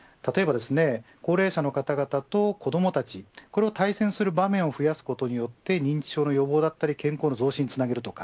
高齢者の方々と子どもたちこれを対戦する場面を増やすことによって認知症の予防や健康の増進につなげます。